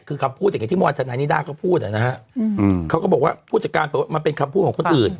คือคำพูดที่มวลทนายนิด้าก็พูดนะครับเขาก็บอกว่าผู้จัดการเป็นคำพูดของคนอื่น